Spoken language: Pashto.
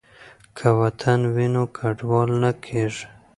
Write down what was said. که وطن وي نو کډوال نه کیږي.